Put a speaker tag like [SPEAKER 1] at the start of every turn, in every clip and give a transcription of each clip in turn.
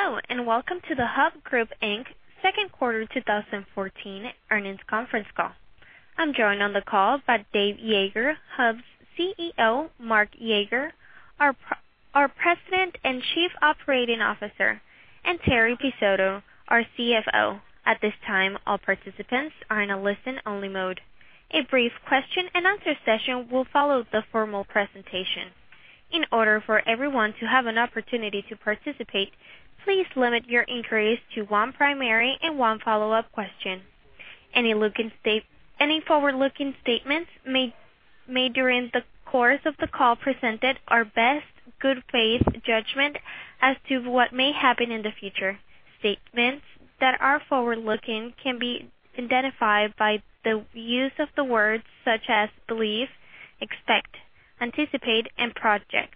[SPEAKER 1] Hello, and welcome to the Hub Group Inc. second quarter 2014 earnings conference call. I'm joined on the call by Dave Yeager, Hub's CEO, Mark Yeager, our President and COO, and Terri Pizzuto, our CFO. At this time, all participants are in a listen-only mode. A brief question-and-answer session will follow the formal presentation. In order for everyone to have an opportunity to participate, please limit your inquiries to one primary and one follow-up question. Any forward-looking statements made during the course of the call presented are best good faith judgment as to what may happen in the future. Statements that are forward-looking can be identified by the use of the words such as believe, expect, anticipate, and project.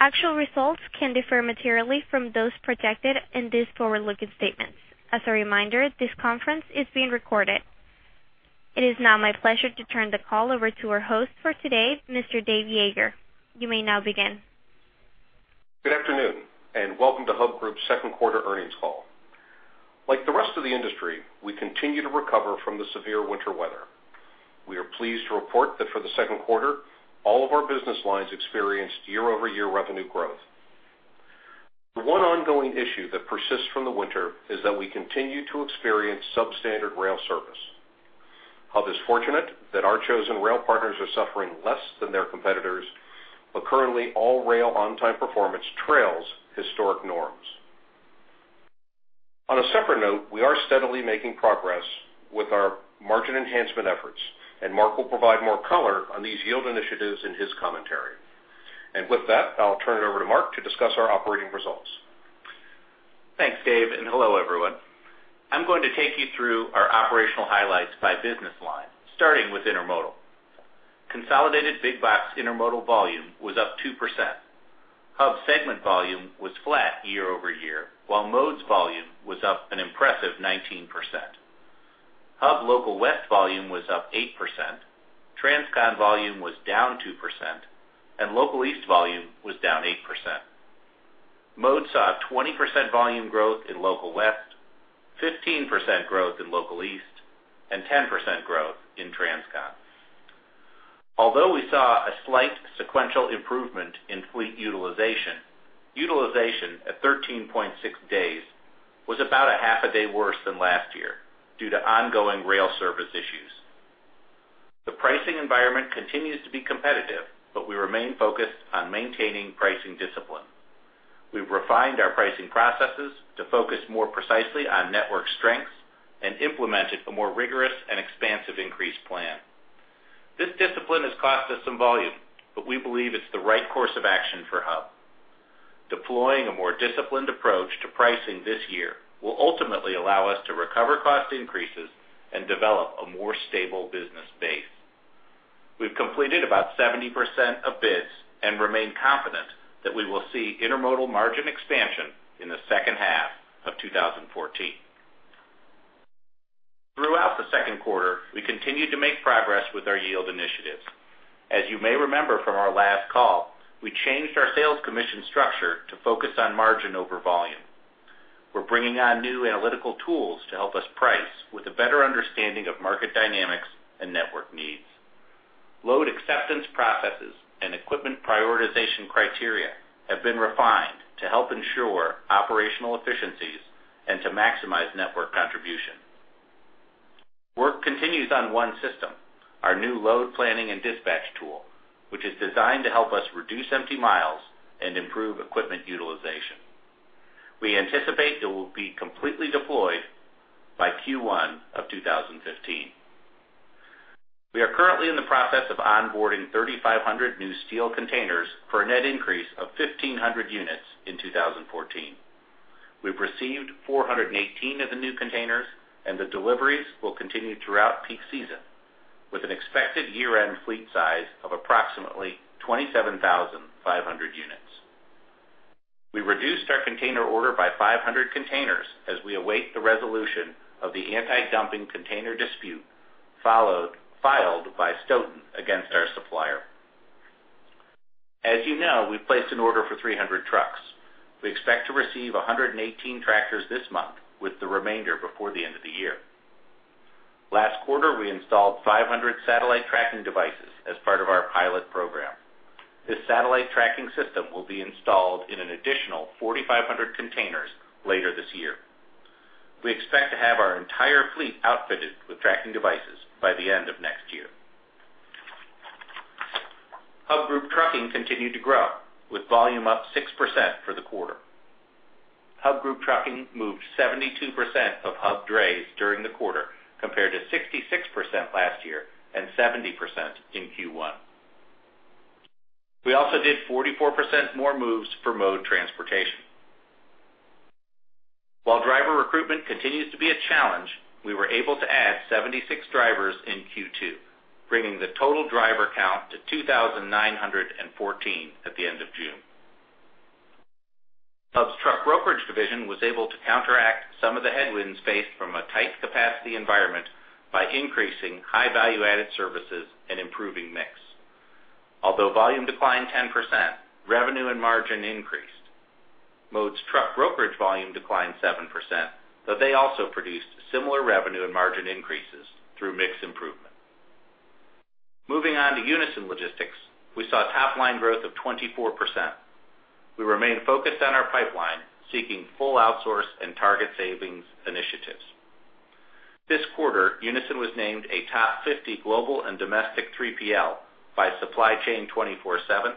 [SPEAKER 1] Actual results can differ materially from those projected in these forward-looking statements. As a reminder, this conference is being recorded. It is now my pleasure to turn the call over to our host for today, Mr. Dave Yeager. You may now begin.
[SPEAKER 2] Good afternoon, and welcome to Hub Group's second quarter earnings call. Like the rest of the industry, we continue to recover from the severe winter weather. We are pleased to report that for the second quarter, all of our business lines experienced year-over-year revenue growth. The one ongoing issue that persists from the winter is that we continue to experience substandard rail service. Hub is fortunate that our chosen rail partners are suffering less than their competitors, but currently, all rail on-time performance trails historic norms. On a separate note, we are steadily making progress with our margin enhancement efforts, and Mark will provide more color on these yield initiatives in his commentary. With that, I'll turn it over to Mark to discuss our operating results.
[SPEAKER 3] Thanks, Dave, and hello, everyone. I'm going to take you through our operational highlights by business line, starting with intermodal. Consolidated big box intermodal volume was up 2%. Hub segment volume was flat year-over-year, while Mode's volume was up an impressive 19%. Hub Local West volume was up 8%, Transcon volume was down 2%, and Local East volume was down 8%. Mode saw a 20% volume growth in Local West, 15% growth in Local East, and 10% growth in Transcon. Although we saw a slight sequential improvement in fleet utilization, utilization at 13.6 days was about a half a day worse than last year due to ongoing rail service issues. The pricing environment continues to be competitive, but we remain focused on maintaining pricing discipline. We've refined our pricing processes to focus more precisely on network strengths and implemented a more rigorous and expansive increase plan. This discipline has cost us some volume, but we believe it's the right course of action for Hub. Deploying a more disciplined approach to pricing this year will ultimately allow us to recover cost increases and develop a more stable business base. We've completed about 70% of bids and remain confident that we will see intermodal margin expansion in the second half of 2014. Throughout the second quarter, we continued to make progress with our yield initiatives. As you may remember from our last call, we changed our sales commission structure to focus on margin over volume. We're bringing on new analytical tools to help us price with a better understanding of market dynamics and network needs. Load acceptance processes and equipment prioritization criteria have been refined to help ensure operational efficiencies and to maximize network contribution. Work continues on OneSystem, our new load planning and dispatch tool, which is designed to help us reduce empty miles and improve equipment utilization. We anticipate that it will be completely deployed by Q1 of 2015. We are currently in the process of onboarding 3,500 new steel containers for a net increase of 1,500 units in 2014. We've received 418 of the new containers, and the deliveries will continue throughout peak season, with an expected year-end fleet size of approximately 27,500 units. We reduced our container order by 500 containers as we await the resolution of the anti-dumping container dispute, filed by Stoughton against our supplier. As you know, we placed an order for 300 trucks. We expect to receive 118 tractors this month, with the remainder before the end of the year. Last quarter, we installed 500 satellite tracking devices as part of our pilot program. This satellite tracking system will be installed in an additional 4,500 containers later this year. We expect to have our entire fleet outfitted with tracking devices by the end of next year. Hub Group Trucking continued to grow, with volume up 6% for the quarter. Hub Group Trucking moved 72% of Hub drays during the quarter, compared to 66% last year and 70% in Q1. We also did 44% more moves for Mode Transportation. While driver recruitment continues to be a challenge, we were able to add 76 drivers in Q2, bringing the total driver count to 2,914 at the end of June. Hub's truck brokerage division was able to counteract some of the headwinds faced from a tight capacity environment by increasing high-value-added services and improving mix. Although volume declined 10%, revenue and margin increased. Mode's truck brokerage volume declined 7%, but they also produced similar revenue and margin increases through mix improvement. Moving on to Unyson Logistics, we saw top-line growth of 24%. We remain focused on our pipeline, seeking full outsource and target savings initiatives. This quarter, Unyson was named a Top 50 Global and Domestic 3PL by Supply Chain 24/7,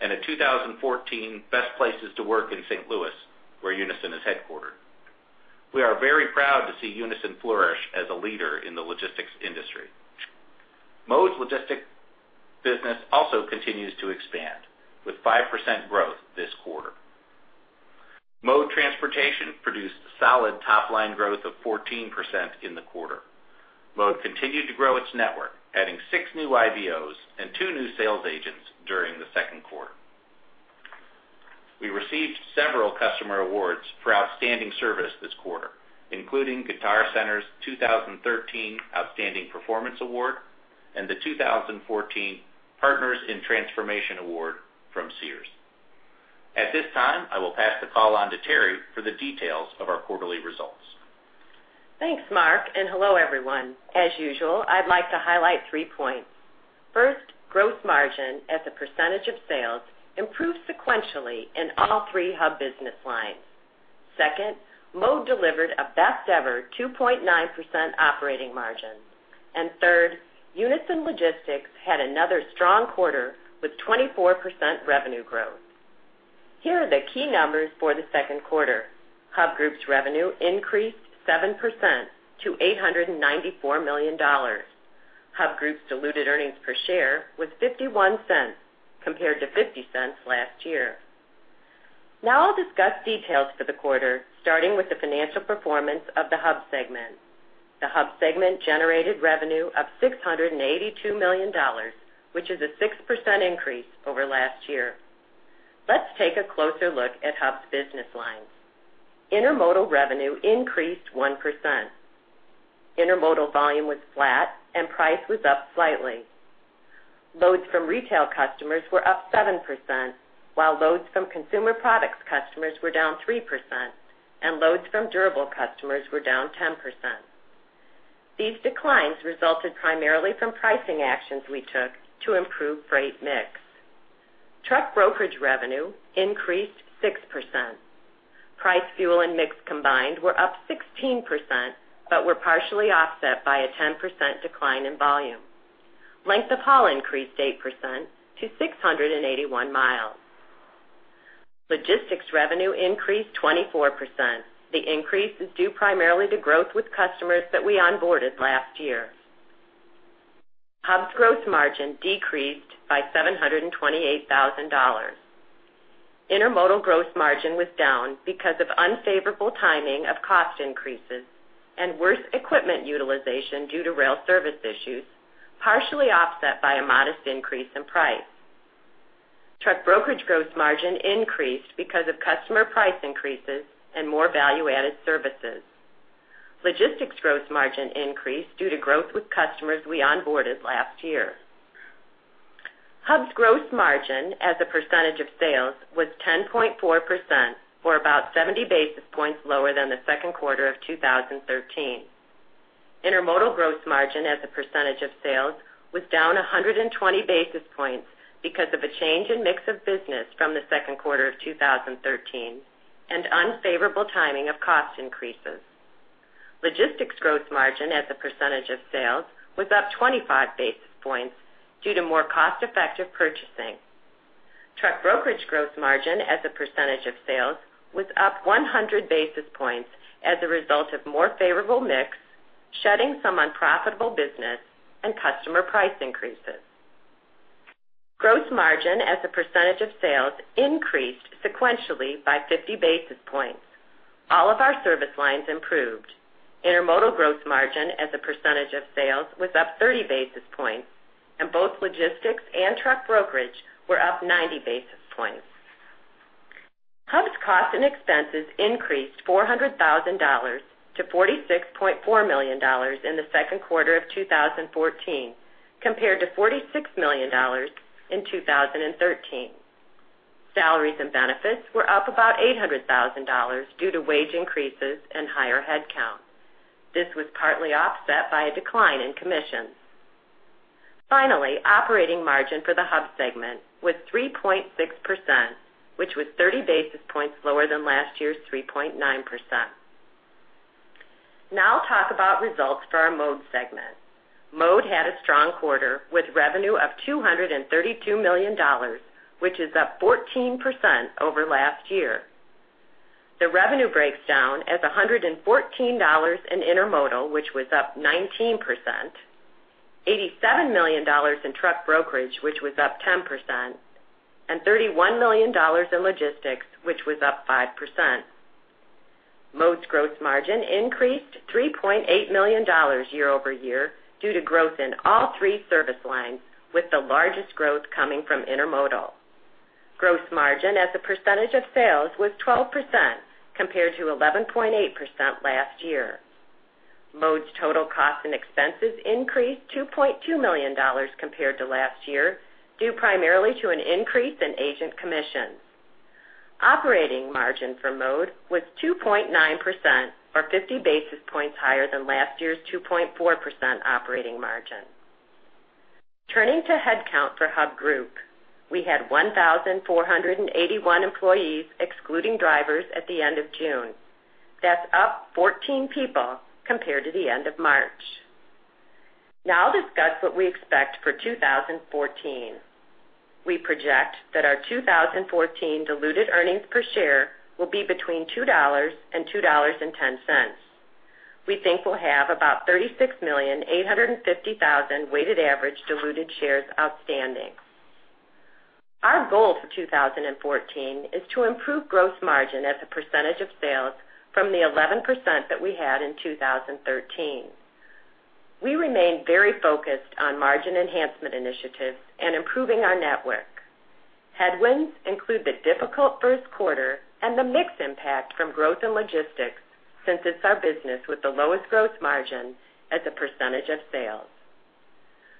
[SPEAKER 3] and a 2014 Best Places to Work in St. Louis, where Unyson is headquartered. We are very proud to see Unyson flourish as a leader in the logistics industry. Mode's logistics business also continues to expand, with 5% growth this quarter. Mode Transportation produced solid top-line growth of 14% in the quarter. Mode continued to grow its network, adding six new IBOs and two new sales agents during the second quarter. We received several customer awards for outstanding service this quarter, including Guitar Center's 2013 Outstanding Performance Award, and the 2014 Partners in Transformation Award from Sears. At this time, I will pass the call on to Terri for the details of our quarterly results.
[SPEAKER 4] Thanks, Mark, and hello, everyone. As usual, I'd like to highlight three points. First, gross margin as a percentage of sales improved sequentially in all three Hub business lines. Second, Mode delivered a best-ever 2.9% operating margin. Third, Unyson Logistics had another strong quarter with 24% revenue growth. Here are the key numbers for the second quarter. Hub Group's revenue increased 7% to $894 million. Hub Group's diluted earnings per share was $0.51, compared to $0.50 last year. Now I'll discuss details for the quarter, starting with the financial performance of the Hub segment. The Hub segment generated revenue of $682 million, which is a 6% increase over last year. Let's take a closer look at Hub's business lines. Intermodal revenue increased 1%. Intermodal volume was flat, and price was up slightly. Loads from retail customers were up 7%, while loads from consumer products customers were down 3%, and loads from durable customers were down 10%. These declines resulted primarily from pricing actions we took to improve freight mix. Truck brokerage revenue increased 6%. Price, fuel, and mix combined were up 16%, but were partially offset by a 10% decline in volume. Length of haul increased 8% to 681 mi. Logistics revenue increased 24%. The increase is due primarily to growth with customers that we onboarded last year. Hub's gross margin decreased by $728,000. Intermodal gross margin was down because of unfavorable timing of cost increases and worse equipment utilization due to rail service issues, partially offset by a modest increase in price. Truck brokerage gross margin increased because of customer price increases and more value-added services. Logistics gross margin increased due to growth with customers we onboarded last year. Hub's gross margin as a percentage of sales was 10.4%, or about 70 basis points lower than the second quarter of 2013. Intermodal gross margin as a percentage of sales was down 120 basis points because of a change in mix of business from the second quarter of 2013 and unfavorable timing of cost increases. Logistics gross margin as a percentage of sales was up 25 basis points due to more cost-effective purchasing. Truck brokerage gross margin as a percentage of sales was up 100 basis points as a result of more favorable mix, shedding some unprofitable business and customer price increases. Gross margin as a percentage of sales increased sequentially by 50 basis points. All of our service lines improved. Intermodal gross margin as a percentage of sales was up 30 basis points, and both logistics and truck brokerage were up 90 basis points. Hub's costs and expenses increased $400,000 to $46.4 million in the second quarter of 2014, compared to $46 million in 2013. Salaries and benefits were up about $800,000 due to wage increases and higher headcount. This was partly offset by a decline in commissions. Finally, operating margin for the Hub segment was 3.6%, which was 30 basis points lower than last year's 3.9%. Now I'll talk about results for our Mode segment. Mode had a strong quarter, with revenue of $232 million, which is up 14% over last year. The revenue breaks down as $114 million in intermodal, which was up 19%, $87 million in Truck Brokerage, which was up 10%, and $31 million in Logistics, which was up 5%. Mode's gross margin increased $3.8 million year-over-year due to growth in all three service lines, with the largest growth coming from intermodal. Gross margin as a percentage of sales was 12%, compared to 11.8% last year. Mode's total cost and expenses increased $2.2 million compared to last year, due primarily to an increase in agent commissions. Operating margin for Mode was 2.9%, or 50 basis points higher than last year's 2.4% operating margin. Turning to headcount for Hub Group, we had 1,481 employees, excluding drivers, at the end of June. That's up 14 people compared to the end of March. Now I'll discuss what we expect for 2014. We project that our 2014 diluted earnings per share will be between $2 and $2.10. We think we'll have about 36,850,000 weighted average diluted shares outstanding. Our goal for 2014 is to improve gross margin as a percentage of sales from the 11% that we had in 2013. We remain very focused on margin enhancement initiatives and improving our network. Headwinds include the difficult first quarter and the mix impact from growth in logistics, since it's our business with the lowest gross margin as a percentage of sales.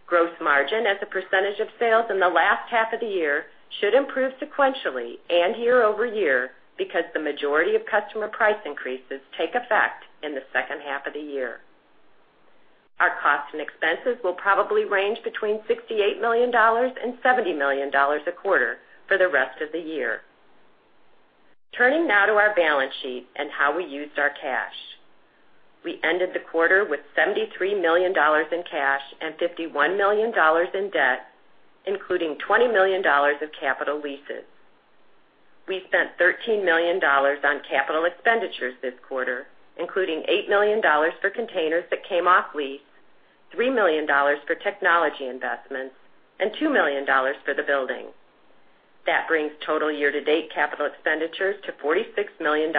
[SPEAKER 4] Gross margin as a percentage of sales in the last half of the year should improve sequentially and year-over-year, because the majority of customer price increases take effect in the second half of the year. Our costs and expenses will probably range between $68 million and $70 million a quarter for the rest of the year. Turning now to our balance sheet and how we used our cash. We ended the quarter with $73 million in cash and $51 million in debt, including $20 million of capital leases. We spent $13 million on capital expenditures this quarter, including $8 million for containers that came off lease, $3 million for technology investments, and $2 million for the building. That brings total year-to-date capital expenditures to $46 million.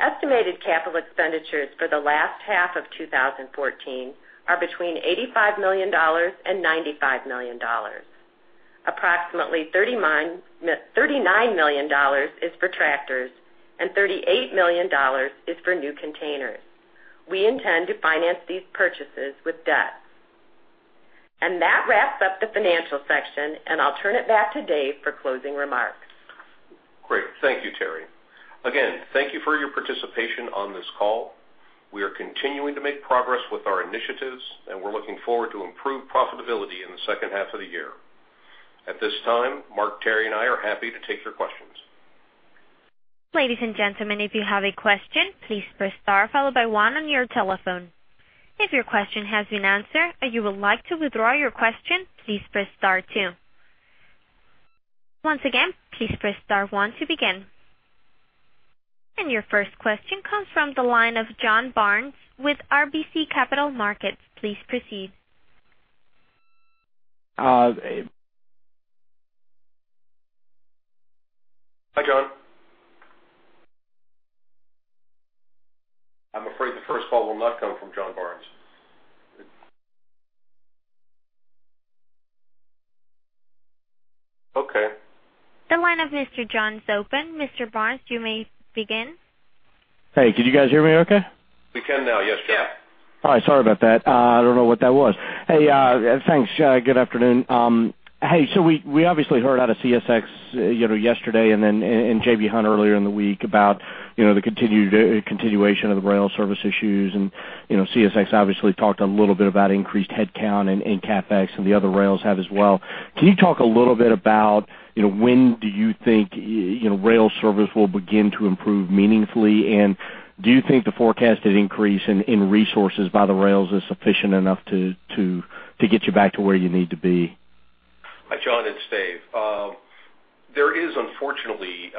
[SPEAKER 4] Estimated capital expenditures for the last half of 2014 are between $85 million and $95 million. Approximately $39 million is for tractors and $38 million is for new containers. We intend to finance these purchases with debt. That wraps up the financial section, and I'll turn it back to Dave for closing remarks.
[SPEAKER 2] Great. Thank you, Terri. Again, thank you for your participation on this call. We are continuing to make progress with our initiatives, and we're looking forward to improved profitability in the second half of the year. At this time, Mark, Terri, and I are happy to take your questions.
[SPEAKER 1] Ladies and gentlemen, if you have a question, please press star followed by one on your telephone. If your question has been answered, or you would like to withdraw your question, please press star two. Once again, please press star one to begin. Your first question comes from the line of John Barnes with RBC Capital Markets. Please proceed.
[SPEAKER 5] Uh, a-
[SPEAKER 2] Hi, John. I'm afraid the first call will not come from John Barnes. Okay.
[SPEAKER 1] The line of Mr. John is open. Mr. Barnes, you may begin.
[SPEAKER 5] Hey, can you guys hear me okay?
[SPEAKER 2] We can now, yes, John.
[SPEAKER 5] All right. Sorry about that. I don't know what that was. Hey, thanks. Good afternoon. Hey, so we obviously heard out of CSX, you know, yesterday and then and J.B. Hunt earlier in the week about, you know, the continued continuation of the rail service issues. And, you know, CSX obviously talked a little bit about increased headcount and CapEx, and the other rails have as well. Can you talk a little bit about, you know, when do you think, you know, rail service will begin to improve meaningfully? And do you think the forecasted increase in resources by the rails is sufficient enough to get you back to where you need to be?
[SPEAKER 2] Hi, John, it's Dave. There is unfortunately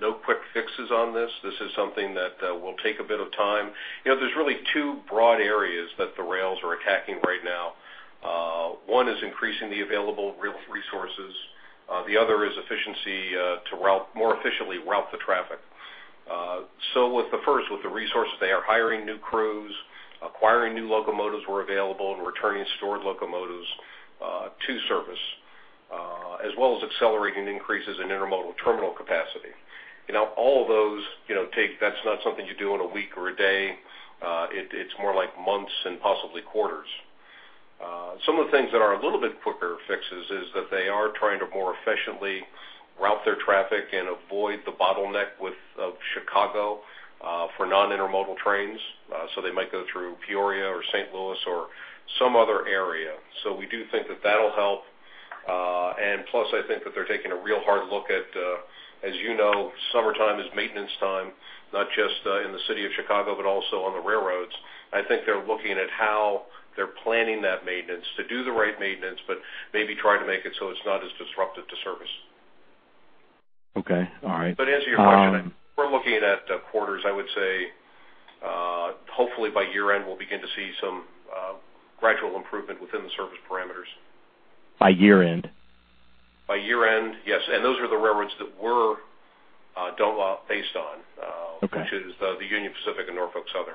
[SPEAKER 2] no quick fixes on this. This is something that will take a bit of time. You know, there's really two broad areas that the rails are attacking right now. One is increasing the available resources, the other is efficiency to more efficiently route the traffic. So with the first, with the resources, they are hiring new crews, acquiring new locomotives where available, and returning stored locomotives to service as well as accelerating increases in intermodal terminal capacity. You know, all of those, you know, take. That's not something you do in a week or a day. It's more like months and possibly quarters. Some of the things that are a little bit quicker fixes is that they are trying to more efficiently route their traffic and avoid the bottleneck with of Chicago for non-intermodal trains. So they might go through Peoria or St. Louis or some other area. So we do think that that'll help. And plus, I think that they're taking a real hard look at, as you know, summertime is maintenance time, not just in the city of Chicago, but also on the railroads. I think they're looking at how they're planning that maintenance to do the right maintenance, but maybe try to make it so it's not as disruptive to service.
[SPEAKER 5] Okay. All right,
[SPEAKER 2] But to answer your question, we're looking at quarters. I would say, hopefully by year-end, we'll begin to see some gradual improvement within the service parameters.
[SPEAKER 5] By year-end?
[SPEAKER 2] By year-end, yes. And those are the railroads that we [load base is on]-
[SPEAKER 5] Okay.
[SPEAKER 2] - which is the Union Pacific and Norfolk Southern.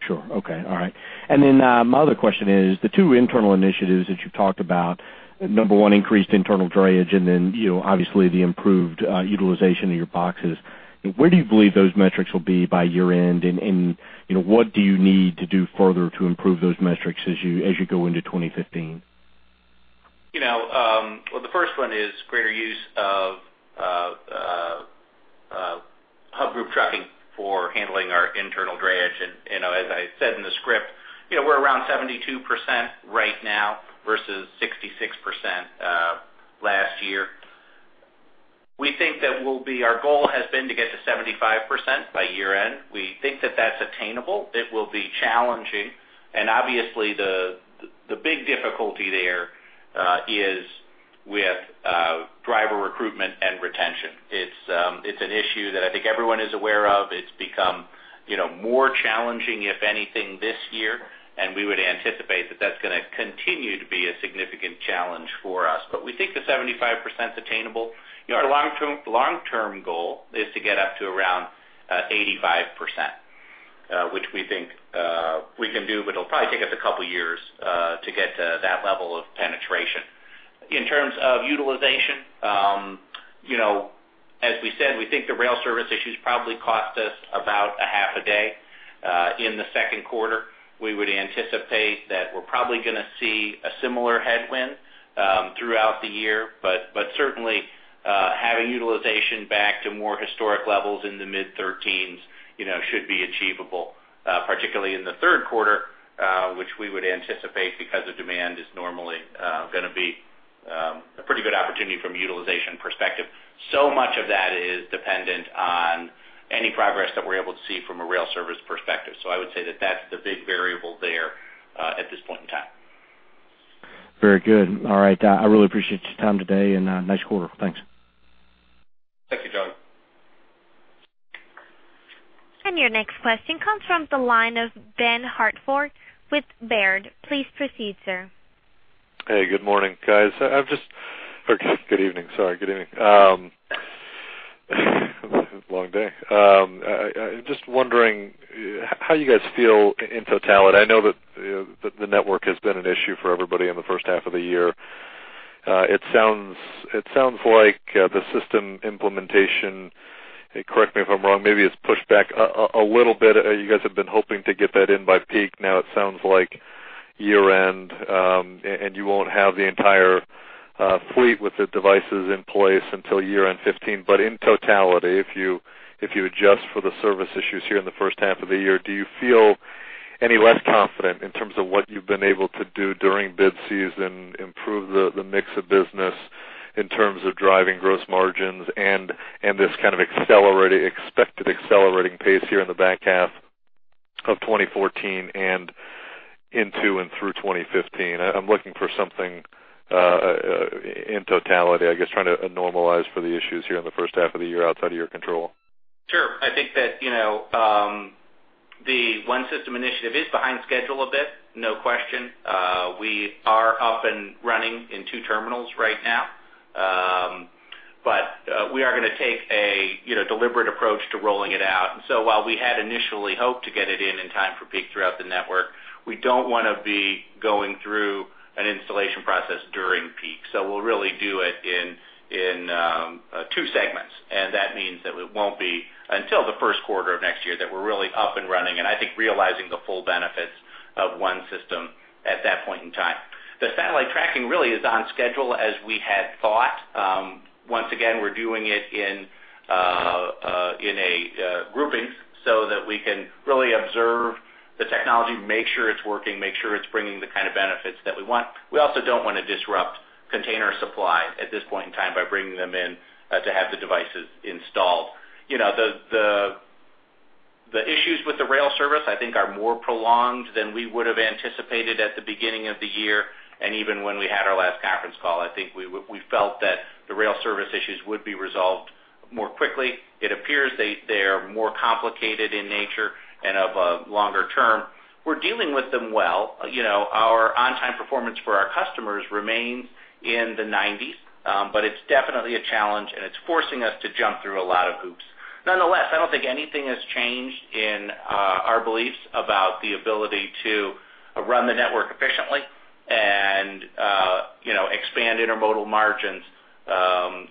[SPEAKER 5] Sure. Okay. All right. And then, my other question is the two internal initiatives that you talked about, number one, increased internal drayage, and then, you know, obviously, the improved utilization of your boxes. Where do you believe those metrics will be by year-end? And, you know, what do you need to do further to improve those metrics as you go into 2015?
[SPEAKER 3] You know, well, the first one is greater use of Hub Group Trucking for handling our internal drayage. And as I said in the script, you know, we're around 72% right now versus 66% last year. We think that our goal has been to get to 75% by year-end. We think that that's attainable. It will be challenging, and obviously, the big difficulty there is with driver recruitment and retention. It's an issue that I think everyone is aware of. It's become, you know, more challenging, if anything, this year, and we would anticipate that that's gonna continue to be a significant challenge for us. But we think the 75%'s attainable. You know, our long-term, long-term goal is to get up to around, 85%, which we think, we can do, but it'll probably take us a couple years, to get to that level of penetration. In terms of utilization, you know, as we said, we think the rail service issues probably cost us about a half a day, in the second quarter. We would anticipate that we're probably gonna see a similar headwind, throughout the year. But, but certainly, having utilization back to more historic levels in the mid-13s, you know, should be achievable, particularly in the third quarter, which we would anticipate because the demand is normally, gonna be, a pretty good opportunity from a utilization perspective. So much of that is dependent on any progress that we're able to see from a rail service perspective. So I would say that that's the big variable there, at this point in time.
[SPEAKER 5] Very good. All right, I really appreciate your time today, and nice quarter. Thanks.
[SPEAKER 3] Thank you, John.
[SPEAKER 1] Your next question comes from the line of Ben Hartford with Baird. Please proceed, sir.
[SPEAKER 6] Hey, good morning, guys. Okay, good evening. Sorry. Good evening. Long day. I just wondering how you guys feel in totality. I know that, the network has been an issue for everybody in the first half of the year. It sounds like the system implementation, and correct me if I'm wrong, maybe it's pushed back a little bit. You guys have been hoping to get that in by peak. Now it sounds like year-end, and you won't have the entire fleet with the devices in place until year-end 2015. In totality, if you adjust for the service issues here in the first half of the year, do you feel any less confident in terms of what you've been able to do during bid season, improve the mix of business in terms of driving gross margins and this kind of accelerated expected accelerating pace here in the back half of 2014 and into and through 2015? I'm looking for something in totality, I guess, trying to normalize for the issues here in the first half of the year outside of your control.
[SPEAKER 3] Sure. I think that, you know, the OneSystem initiative is behind schedule a bit, no question. We are up and running in two terminals right now. But we are gonna take a, you know, deliberate approach to rolling it out. And so while we had initially hoped to get it in time for peak throughout the network, we don't wanna be going through an installation process during peak. So we'll really do it in two segments, and that means that it won't be until the first quarter of next year that we're really up and running, and I think realizing the full benefits of OneSystem at that point in time. The satellite tracking really is on schedule as we had thought. Once again, we're doing it in groupings so that we can really observe the technology, make sure it's working, make sure it's bringing the kind of benefits that we want. We also don't want to disrupt container supply at this point in time by bringing them in to have the devices installed. You know, the issues with the rail service, I think, are more prolonged than we would have anticipated at the beginning of the year, and even when we had our last conference call, I think we felt that the rail service issues would be resolved more quickly. It appears they are more complicated in nature and of a longer term. We're dealing with them well. You know, our on-time performance for our customers remains in the 90s, but it's definitely a challenge, and it's forcing us to jump through a lot of hoops. Nonetheless, I don't think anything has changed in our beliefs about the ability to run the network efficiently and you know, expand intermodal margins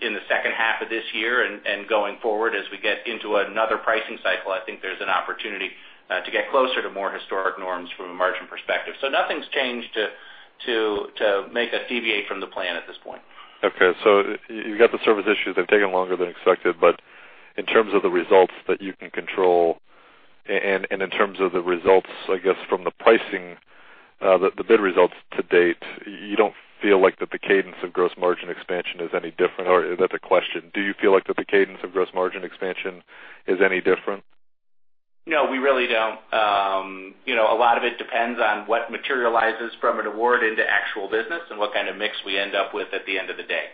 [SPEAKER 3] in the second half of this year and going forward. As we get into another pricing cycle, I think there's an opportunity to get closer to more historic norms from a margin perspective. So nothing's changed to make us deviate from the plan at this point.
[SPEAKER 6] Okay, so you've got the service issues, they've taken longer than expected, but in terms of the results that you can control, and in terms of the results, I guess, from the pricing, the bid results to date, you don't feel like that the cadence of gross margin expansion is any different, or is that the question? Do you feel like that the cadence of gross margin expansion is any different?
[SPEAKER 3] No, we really don't. You know, a lot of it depends on what materializes from an award into actual business and what kind of mix we end up with at the end of the day.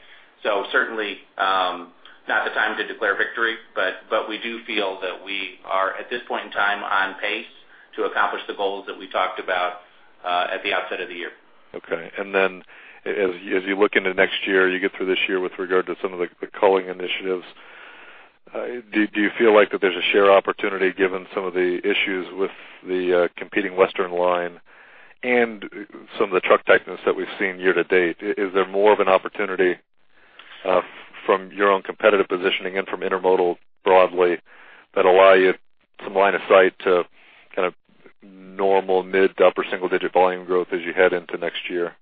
[SPEAKER 3] So certainly, not the time to declare victory, but, but we do feel that we are, at this point in time, on pace to accomplish the goals that we talked about, at the outset of the year.
[SPEAKER 6] Okay. And then as you look into next year, you get through this year with regard to some of the culling initiatives, do you feel like that there's a share opportunity given some of the issues with the competing Western line and some of the truck tightness that we've seen year-to-date? Is there more of an opportunity from your own competitive positioning and from intermodal broadly, that allow you some line of sight to kind of normal mid- to upper-single-digit volume growth as you head into next year?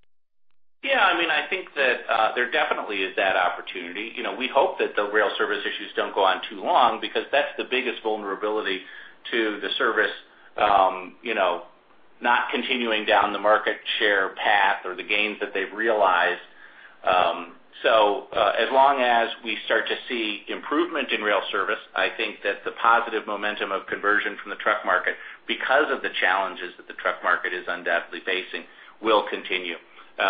[SPEAKER 3] Yeah, I mean, I think that, there definitely is that opportunity. You know, we hope that the rail service issues don't go on too long, because that's the biggest vulnerability to the service, you know, not continuing down the market share path or the gains that they've realized. So, as long as we start to see improvement in rail service, I think that the positive momentum of conversion from the truck market, because of the challenges that the truck market is undoubtedly facing, will continue.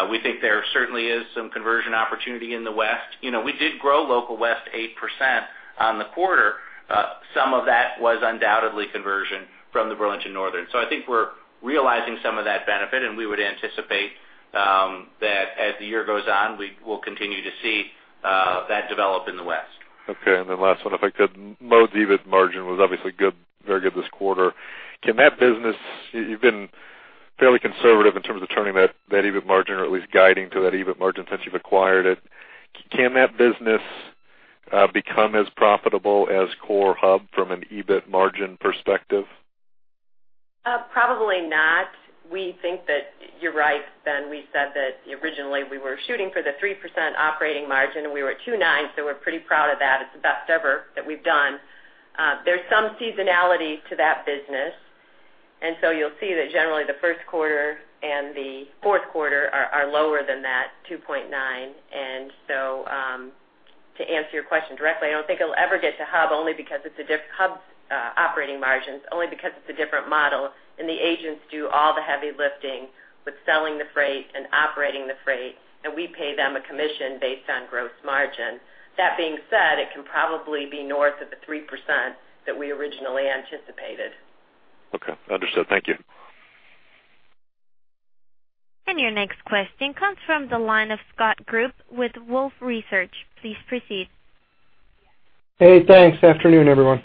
[SPEAKER 3] We think there certainly is some conversion opportunity in the West. You know, we did grow Local West 8% on the quarter. Some of that was undoubtedly conversion from the Burlington Northern. So I think we're realizing some of that benefit, and we would anticipate that as the year goes on, we will continue to see that develop in the West.
[SPEAKER 6] Okay, and then last one, if I could. Mode EBIT margin was obviously good, very good this quarter. Can that business, you, you've been fairly conservative in terms of turning that EBIT margin, or at least guiding to that EBIT margin since you've acquired it. Can that business, become as profitable as core hub from an EBIT margin perspective?
[SPEAKER 4] Probably not. We think that you're right, Ben. We said that originally we were shooting for the 3% operating margin, and we were at 2.9%, so we're pretty proud of that. It's the best ever that we've done. There's some seasonality to that business, and so you'll see that generally the first quarter and the fourth quarter are lower than that 2.9%. So, to answer your question directly, I don't think it'll ever get to Hub's operating margins, only because it's a different model, and the agents do all the heavy lifting with selling the freight and operating the freight, and we pay them a commission based on gross margin. That being said, it can probably be north of the 3% that we originally anticipated.
[SPEAKER 6] Okay, understood. Thank you.
[SPEAKER 1] Your next question comes from the line of Scott Group with Wolfe Research. Please proceed.
[SPEAKER 7] Hey, thanks. Afternoon, everyone.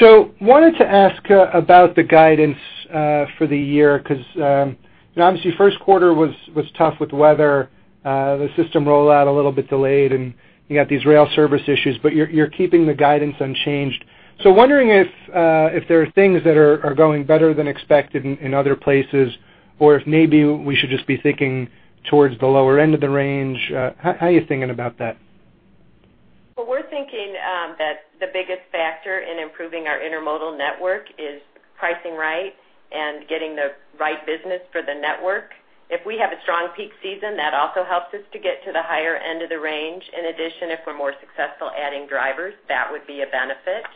[SPEAKER 7] So wanted to ask about the guidance for the year, 'cause, you know, obviously, first quarter was tough with weather, the system rollout a little bit delayed, and you got these rail service issues, but you're keeping the guidance unchanged. So wondering if there are things that are going better than expected in other places, or if maybe we should just be thinking towards the lower end of the range. How are you thinking about that?
[SPEAKER 4] Well, we're thinking that the biggest factor in improving our intermodal network is pricing right and getting the right business for the network. If we have a strong peak season, that also helps us to get to the higher end of the range. In addition, if we're more successful adding drivers, that would be a benefit.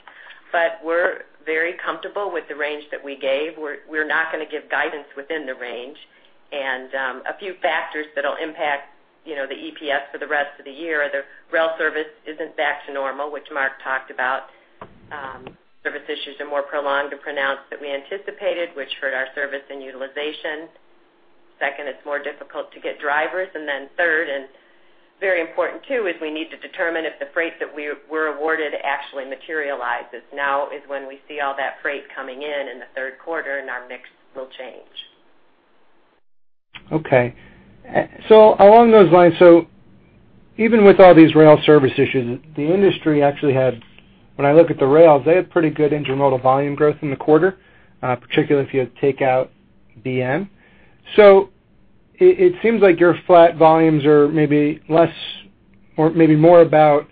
[SPEAKER 4] But we're very comfortable with the range that we gave. We're not gonna give guidance within the range. And a few factors that'll impact, you know, the EPS for the rest of the year are the rail service isn't back to normal, which Mark talked about. Service issues are more prolonged and pronounced than we anticipated, which hurt our service and utilization. Second, it's more difficult to get drivers, and then third, and very important too, is we need to determine if the freight that we were awarded actually materializes. Now is when we see all that freight coming in in the third quarter, and our mix will change.
[SPEAKER 7] Okay. So along those lines, so even with all these rail service issues, the industry actually had—when I look at the rails, they had pretty good intermodal volume growth in the quarter, particularly if you take out BM. So it, it seems like your flat volumes are maybe less or maybe more about,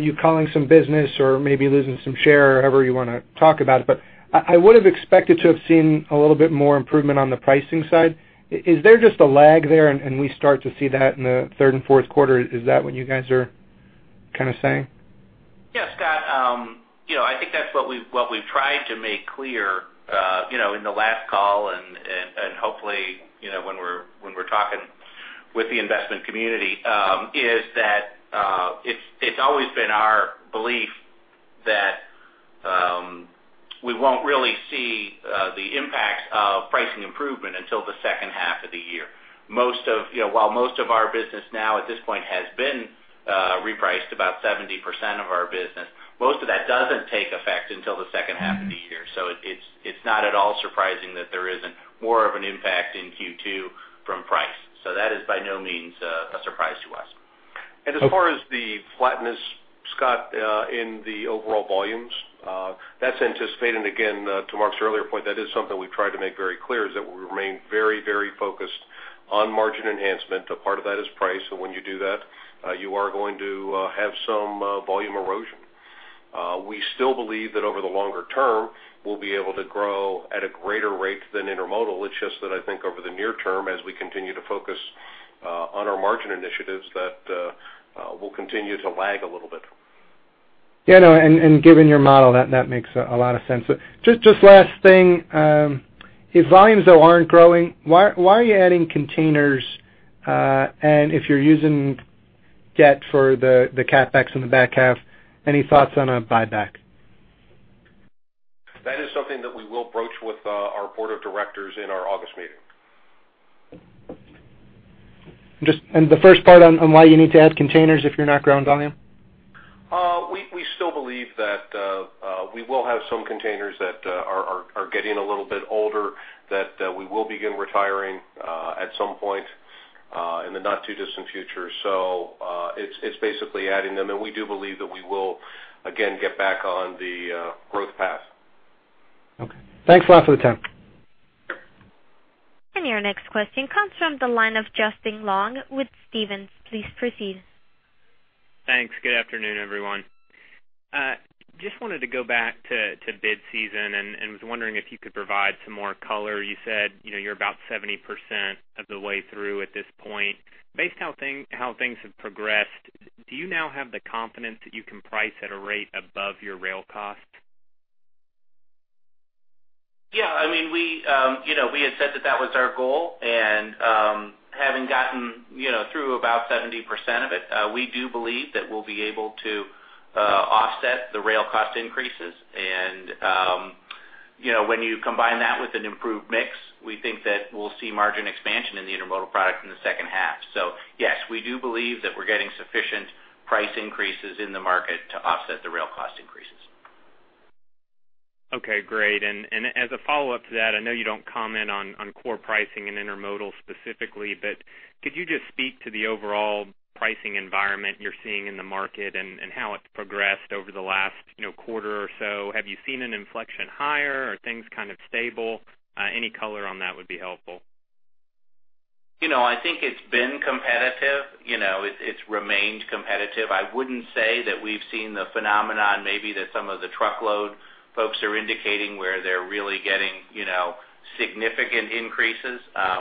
[SPEAKER 7] you culling some business or maybe losing some share or however you wanna talk about it. But I, I would have expected to have seen a little bit more improvement on the pricing side. Is there just a lag there, and, and we start to see that in the third and fourth quarter? Is that what you guys are kind of saying?
[SPEAKER 3] Yeah, Scott. You know, I think that's what we, what we've tried to make clear, you know, in the last call and hopefully, you know, when we're talking with the investment community, is that it's always been our belief that we won't really see the impacts of pricing improvement until the second half of the year. Most of—you know, while most of our business now at this point has been repriced, about 70% of our business, most of that doesn't take effect until the second half of the year. So it's not at all surprising that there isn't more of an impact in Q2 from price. So that is by no means a surprise to us.
[SPEAKER 2] As far as the flatness, Scott, in the overall volumes, that's anticipated. Again, to Mark's earlier point, that is something we've tried to make very clear, is that we remain very, very focused on margin enhancement. A part of that is price, so when you do that, you are going to have some volume erosion. We still believe that over the longer term, we'll be able to grow at a greater rate than intermodal. It's just that I think over the near term, as we continue to focus on our margin initiatives, that we'll continue to lag a little bit.
[SPEAKER 7] Yeah, I know, and given your model, that makes a lot of sense. So just last thing, if volumes though aren't growing, why are you adding containers? And if you're using debt for the CapEx in the back half, any thoughts on a buyback?
[SPEAKER 2] That is something that we will broach with our Board of Directors in our August meeting.
[SPEAKER 7] The first part on why you need to add containers if you're not growing volume?
[SPEAKER 2] We still believe that we will have some containers that are getting a little bit older, that we will begin retiring at some point in the not too distant future. So, it's basically adding them, and we do believe that we will again get back on the growth path.
[SPEAKER 7] Okay. Thanks a lot for the time.
[SPEAKER 1] Your next question comes from the line of Justin Long with Stephens. Please proceed.
[SPEAKER 8] Thanks. Good afternoon, everyone. Just wanted to go back to bid season and was wondering if you could provide some more color. You said, you know, you're about 70% of the way through at this point. Based on how things have progressed, do you now have the confidence that you can price at a rate above your rail cost?
[SPEAKER 3] Yeah, I mean, we, you know, we had said that that was our goal, and, having gotten, you know, through about 70% of it, we do believe that we'll be able to offset the rail cost increases. And, you know, when you combine that with an improved mix, we think that we'll see margin expansion in the intermodal product in the second half. So yes, we do believe that we're getting sufficient price increases in the market to offset the rail cost increases.
[SPEAKER 8] Okay, great. And as a follow-up to that, I know you don't comment on core pricing and intermodal specifically, but could you just speak to the overall pricing environment you're seeing in the market and how it's progressed over the last, you know, quarter or so? Have you seen an inflection higher? Are things kind of stable? Any color on that would be helpful.
[SPEAKER 3] You know, I think it's been competitive. You know, it's remained competitive. I wouldn't say that we've seen the phenomenon, maybe that some of the truckload folks are indicating where they're really getting, you know, significant increases.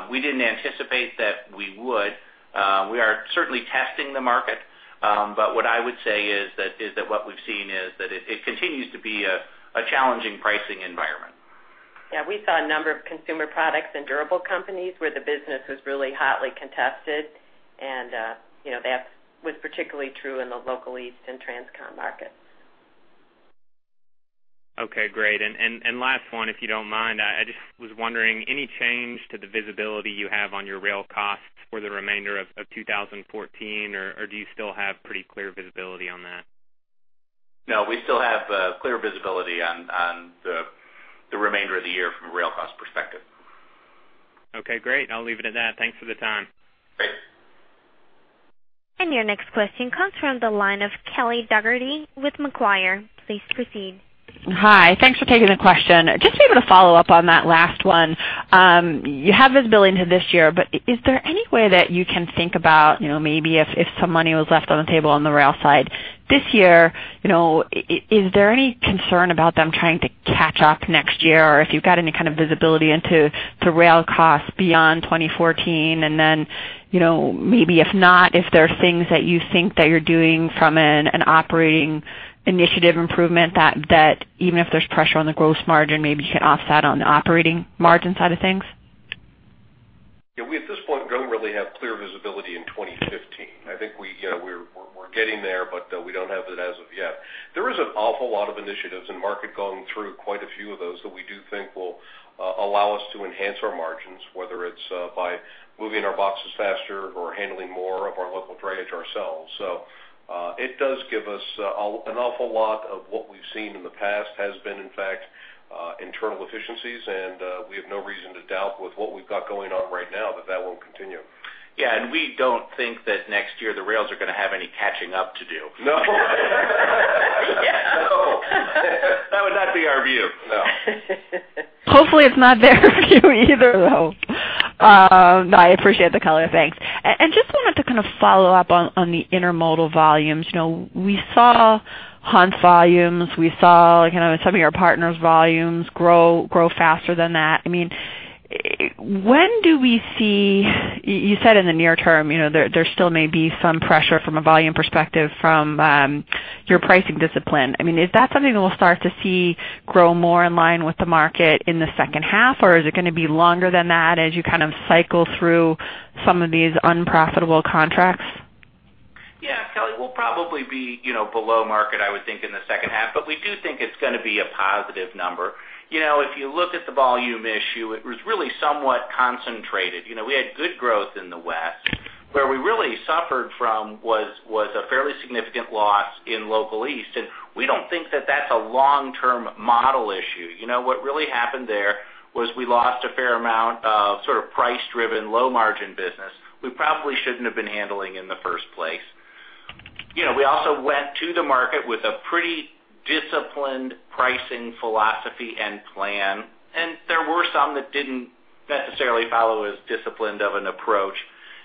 [SPEAKER 3] We didn't anticipate that we would. We are certainly testing the market, but what I would say is that what we've seen is that it continues to be a challenging pricing environment.
[SPEAKER 4] Yeah, we saw a number of consumer products and durable companies where the business was really hotly contested, and, you know, that was particularly true in the Local East and Transcon markets.
[SPEAKER 8] Okay, great. And last one, if you don't mind, I just was wondering, any change to the visibility you have on your rail costs for the remainder of 2014, or do you still have pretty clear visibility on that?
[SPEAKER 3] No, we still have clear visibility on the remainder of the year from a rail cost perspective.
[SPEAKER 8] Okay, great. I'll leave it at that. Thanks for the time.
[SPEAKER 3] Great.
[SPEAKER 1] Your next question comes from the line of Kelly Dougherty with Macquarie. Please proceed.
[SPEAKER 9] Hi. Thanks for taking the question. Just maybe to follow up on that last one, you have visibility into this year, but is there any way that you can think about, you know, maybe if, if some money was left on the table on the rail side this year, you know, is there any concern about them trying to catch up next year, or if you've got any kind of visibility into the rail costs beyond 2014? And then, you know, maybe if not, if there are things that you think that you're doing from an operating initiative improvement, that even if there's pressure on the gross margin, maybe you can offset on the operating margin side of things.
[SPEAKER 2] Yeah, we, at this point, don't really have clear visibility in 2015. I think we, you know, we're getting there, but we don't have it as of yet. There is an awful lot of initiatives and market going through quite a few of those that we do think will allow us to enhance our margins, whether it's by moving our boxes faster or handling more of our local drayage ourselves. So it does give us an awful lot of what we've seen in the past has been, in fact, internal efficiencies, and we have no reason to doubt with what we've got going on right now that that won't continue.
[SPEAKER 3] Yeah, and we don't think that next year, the rails are gonna have any catching up to do.
[SPEAKER 2] No.
[SPEAKER 9] Yeah.
[SPEAKER 2] No, that would not be our view, no.
[SPEAKER 9] Hopefully, it's not their view either, though. I appreciate the color. Thanks. And, and just wanted to kind of follow up on, on the intermodal volumes. You know, we saw Hunt's volumes, we saw, you know, some of your partners' volumes grow, grow faster than that. I mean, when do we see... You, you said in the near term, you know, there, there still may be some pressure from a volume perspective, from, your pricing discipline. I mean, is that something that we'll start to see grow more in line with the market in the second half, or is it gonna be longer than that as you kind of cycle through some of these unprofitable contracts?
[SPEAKER 3] Yeah, Kelly, we'll probably be, you know, below market, I would think, in the second half, but we do think it's gonna be a positive number. You know, if you look at the volume issue, it was really somewhat concentrated. You know, we had good growth in the West. Where we really suffered from was a fairly significant loss in Local East, and we don't think that that's a long-term model issue. You know, what really happened there was we lost a fair amount of sort of price-driven, low-margin business we probably shouldn't have been handling in the first place. You know, we also went to the market with a pretty disciplined pricing philosophy and plan, and there were some that didn't necessarily follow as disciplined of an approach.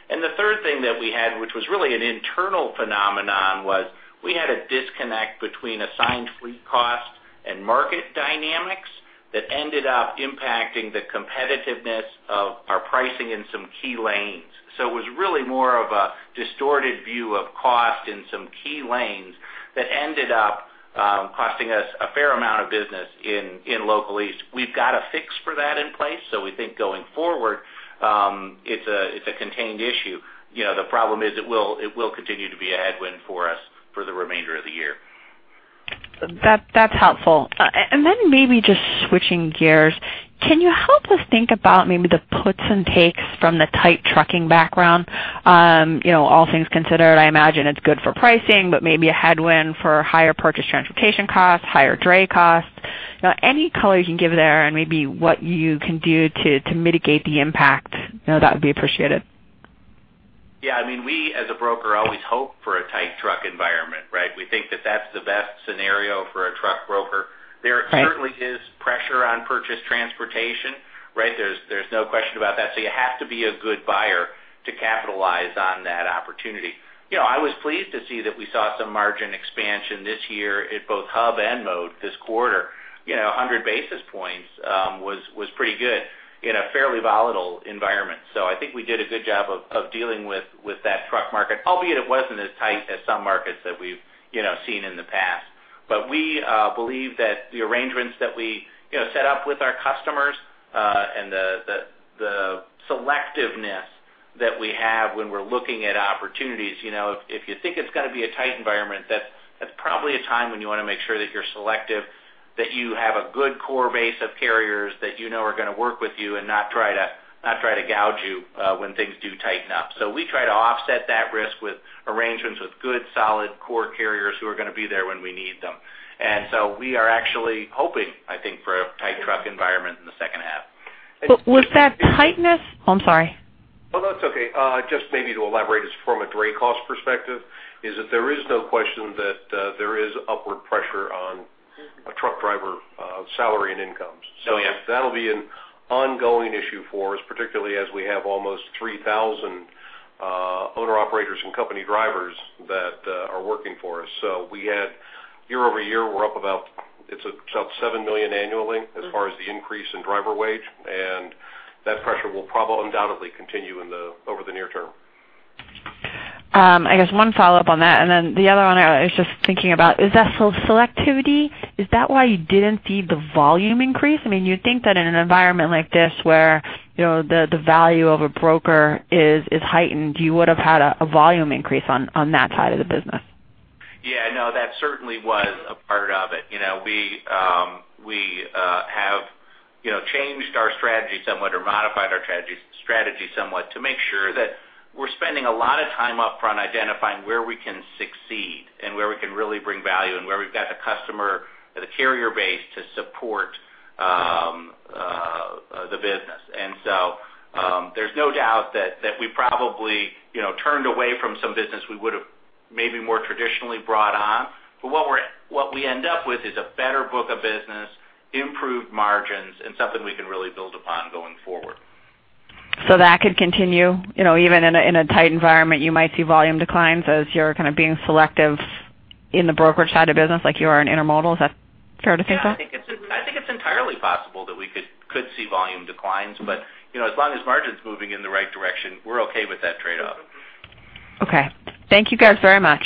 [SPEAKER 3] The third thing that we had, which was really an internal phenomenon, was we had a disconnect between assigned fleet cost and market dynamics that ended up impacting the competitiveness of our pricing in some key lanes. So it was really more of a distorted view of cost in some key lanes that ended up costing us a fair amount of business in Local East. We've got a fix for that in place, so we think going forward, it's a contained issue. You know, the problem is it will continue to be a headwind for us for the remainder of the year.
[SPEAKER 9] That, that's helpful. And then maybe just switching gears, can you help us think about maybe the puts and takes from the tight trucking background? You know, all things considered, I imagine it's good for pricing, but maybe a headwind for higher purchase transportation costs, higher dray costs. You know, any color you can give there and maybe what you can do to to mitigate the impact, you know, that would be appreciated.
[SPEAKER 3] Yeah, I mean, we, as a broker, always hope for a tight truck environment, right? We think that that's the best scenario for a truck broker.
[SPEAKER 9] Right.
[SPEAKER 3] There certainly is pressure on purchase transportation, right? There's no question about that. So you have to be a good buyer to capitalize on that opportunity. You know, I was pleased to see that we saw some margin expansion this year at both Hub and Mode this quarter. You know, 100 basis points was pretty good in a fairly volatile environment. So I think we did a good job of dealing with that truck market, albeit it wasn't as tight as some markets that we've, you know, seen in the past. But we believe that the arrangements that we, you know, set up with our customers, and the selectiveness that we have when we're looking at opportunities, you know, if you think it's gonna be a tight environment, that's probably a time when you wanna make sure that you're selective, that you have a good core base of carriers that you know are gonna work with you and not try to gouge you, when things do tighten up. So we try to offset that risk with arrangements with good, solid core carriers who are gonna be there when we need them. And so we are actually hoping, I think, for a tight truck environment in the second half.
[SPEAKER 9] But was that tightness... Oh, I'm sorry.
[SPEAKER 2] Oh, that's okay. Just maybe to elaborate, is from a dray cost perspective, is that there is no question that there is upward pressure on a truck driver salary and incomes.
[SPEAKER 3] So yeah.
[SPEAKER 2] That'll be an ongoing issue for us, particularly as we have almost 3,000 owner-operators and company drivers that are working for us. So we had, year-over-year, we're up about, it's about $7 million annually-
[SPEAKER 9] Mm-hmm.
[SPEAKER 2] as far as the increase in driver wage, and that pressure will undoubtedly continue in the over the near term.
[SPEAKER 9] I guess one follow-up on that, and then the other one, I was just thinking about, is that selectivity, is that why you didn't see the volume increase? I mean, you'd think that in an environment like this, where, you know, the, the value of a broker is, is heightened, you would've had a, a volume increase on, on that side of the business.
[SPEAKER 3] Yeah, no, that certainly was a part of it. You know, we have, you know, changed our strategy somewhat, or modified our strategy somewhat to make sure that we're spending a lot of time upfront identifying where we can succeed and where we can really bring value, and where we've got the customer or the carrier base to support the business. And so, there's no doubt that we probably, you know, turned away from some business we would've maybe more traditionally brought on. But what we're, what we end up with is a better book of business, improved margins, and something we can really build upon going forward.
[SPEAKER 9] So that could continue? You know, even in a tight environment, you might see volume declines as you're kind of being selective in the brokerage side of business, like you are in Intermodal. Is that fair to think of?
[SPEAKER 3] Yeah, I think it's entirely possible that we could see volume declines, but, you know, as long as margin's moving in the right direction, we're okay with that trade-off.
[SPEAKER 9] Okay. Thank you guys very much.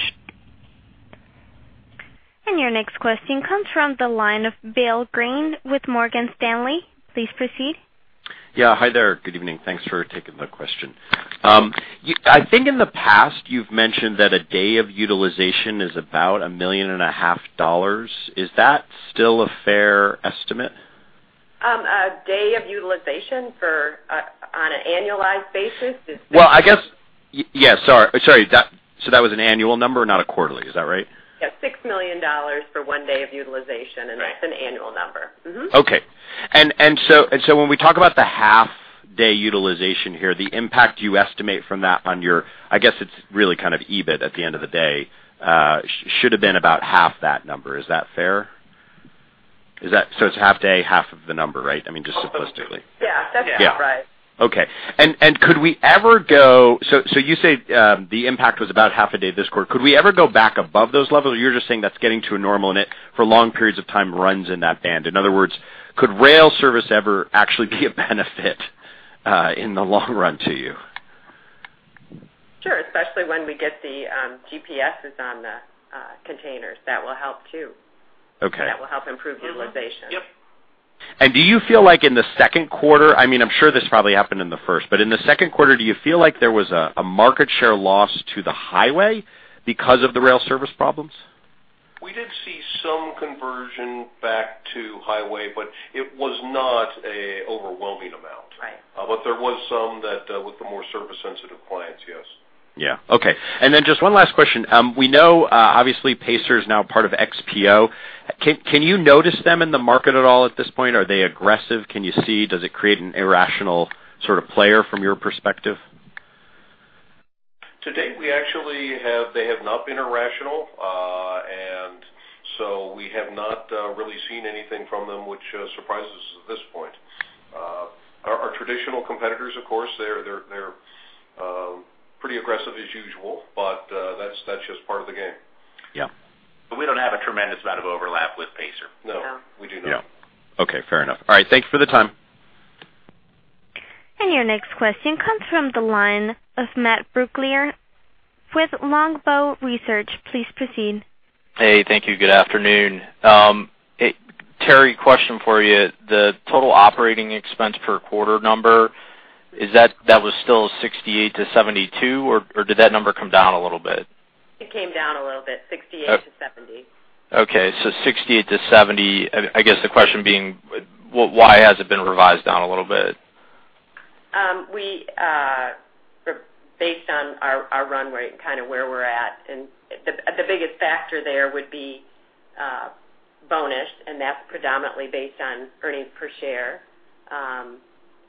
[SPEAKER 1] Your next question comes from the line of Bill Greene with Morgan Stanley. Please proceed.
[SPEAKER 10] Yeah. Hi there. Good evening. Thanks for taking the question. I think in the past, you've mentioned that a day of utilization is about $1.5 million. Is that still a fair estimate?
[SPEAKER 4] A day of utilization for, on an annualized basis is-
[SPEAKER 10] Well, I guess... yes, sorry. Sorry, that, so that was an annual number, not a quarterly, is that right?
[SPEAKER 4] Yeah, $6 million for one day of utilization-
[SPEAKER 10] Right.
[SPEAKER 4] And that's an annual number. Mm-hmm.
[SPEAKER 10] Okay. So when we talk about the half-day utilization here, the impact you estimate from that on your, I guess it's really kind of EBIT at the end of the day, should have been about half that number. Is that fair? Is that... so it's half day, half of the number, right? I mean, just supposedly.
[SPEAKER 4] Yeah, that's right.
[SPEAKER 10] Yeah. Okay. And could we ever go, so you say, the impact was about half a day this quarter. Could we ever go back above those levels, or you're just saying that's getting to a normal, and it, for long periods of time, runs in that band? In other words, could rail service ever actually be a benefit in the long run to you?
[SPEAKER 4] Sure, especially when we get the GPSs on the containers. That will help, too.
[SPEAKER 10] Okay.
[SPEAKER 4] That will help improve utilization.
[SPEAKER 3] Mm-hmm. Yep.
[SPEAKER 10] Do you feel like in the second quarter, I mean, I'm sure this probably happened in the first, but in the second quarter, do you feel like there was a market share loss to the highway because of the rail service problems?
[SPEAKER 2] We did see some conversion back to highway, but it was not an overwhelming amount.
[SPEAKER 4] Right.
[SPEAKER 2] But there was some that, with the more service-sensitive clients, yes.
[SPEAKER 10] Yeah. Okay, and then just one last question. We know, obviously, Pacer is now part of XPO. Can you notice them in the market at all at this point? Are they aggressive? Can you see, does it create an irrational sort of player from your perspective?
[SPEAKER 2] To date, we actually have. They have not been irrational, and so we have not really seen anything from them which surprises us at this point. Our traditional competitors, of course, they're pretty aggressive as usual, but that's just part of the game.
[SPEAKER 10] Yeah.
[SPEAKER 3] But we don't have a tremendous amount of overlap with Pacer.
[SPEAKER 2] No.
[SPEAKER 4] No.
[SPEAKER 2] We do not.
[SPEAKER 10] Yeah. Okay, fair enough. All right, thank you for the time.
[SPEAKER 1] Your next question comes from the line of Matt Brooklier with Longbow Research. Please proceed.
[SPEAKER 11] Hey, thank you. Good afternoon. Terri, question for you. The total operating expense per quarter number. Is that, that was still $68-$72, or did that number come down a little bit?
[SPEAKER 4] It came down a little bit, $68-$70.
[SPEAKER 11] Okay, so $68-$70. I, I guess the question being, why has it been revised down a little bit?
[SPEAKER 4] We based on our run rate and kind of where we're at, and the biggest factor there would be bonus, and that's predominantly based on earnings per share.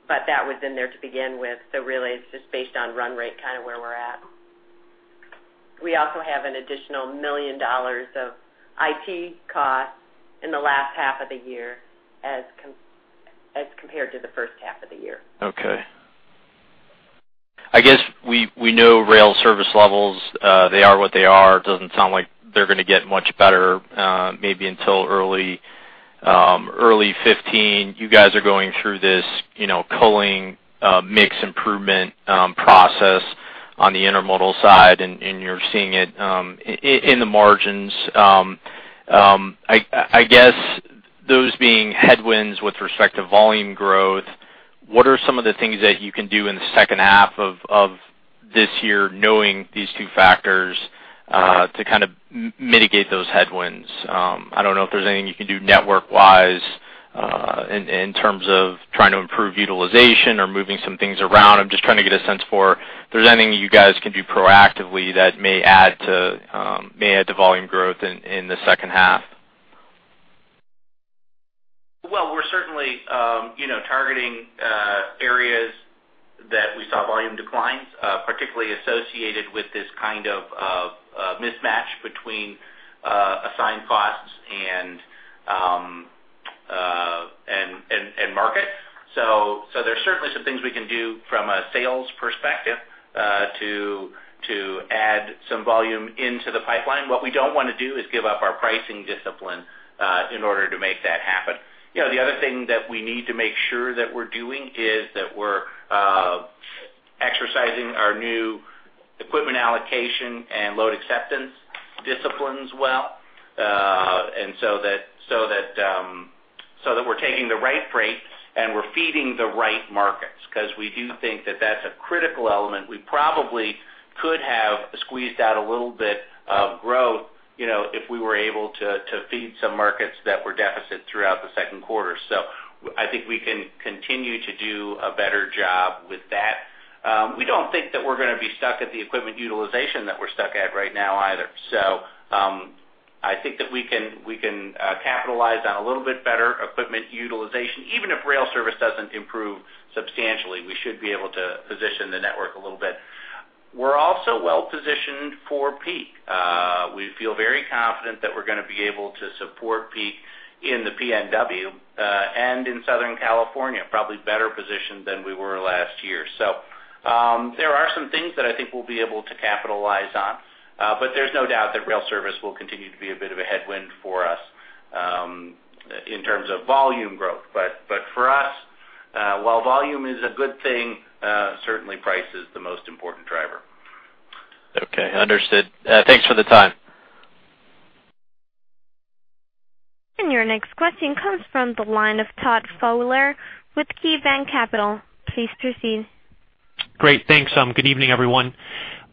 [SPEAKER 4] But that was in there to begin with. So really, it's just based on run rate, kind of where we're at. We also have an additional $1 million of IT costs in the last half of the year as compared to the first half of the year.
[SPEAKER 11] Okay. I guess we know rail service levels, they are what they are. It doesn't sound like they're gonna get much better, maybe until early 2015. You guys are going through this, you know, culling, mix improvement process on the intermodal side, and you're seeing it in the margins. I guess those being headwinds with respect to volume growth, what are some of the things that you can do in the second half of this year, knowing these two factors, to kind of mitigate those headwinds? I don't know if there's anything you can do network-wise, in terms of trying to improve utilization or moving some things around. I'm just trying to get a sense for if there's anything you guys can do proactively that may add to volume growth in the second half.
[SPEAKER 3] Well, we're certainly, you know, targeting areas that we saw volume declines, particularly associated with this kind of mismatch between assigned costs and market. So there's certainly some things we can do from a sales perspective, to add some volume into the pipeline. What we don't want to do is give up our pricing discipline, in order to make that happen. You know, the other thing that we need to make sure that we're doing is that we're exercising our new equipment allocation and load acceptance disciplines well. And so that we're taking the right rates, and we're feeding the right markets, 'cause we do think that that's a critical element. We probably could have squeezed out a little bit of growth, you know, if we were able to feed some markets that were deficit throughout the second quarter. So I think we can continue to do a better job with that. We don't think that we're gonna be stuck at the equipment utilization that we're stuck at right now either. So, I think that we can capitalize on a little bit better equipment utilization. Even if rail service doesn't improve substantially, we should be able to position the network a little bit. We're also well positioned for peak. We feel very confident that we're gonna be able to support peak in the PNW, and in Southern California, probably better positioned than we were last year. So, there are some things that I think we'll be able to capitalize on, but there's no doubt that rail service will continue to be a bit of a headwind for us, in terms of volume growth. But for us, while volume is a good thing, certainly price is the most important driver.
[SPEAKER 11] Okay, understood. Thanks for the time.
[SPEAKER 1] Your next question comes from the line of Todd Fowler with KeyBanc Capital Markets. Please proceed.
[SPEAKER 12] Great, thanks. Good evening, everyone.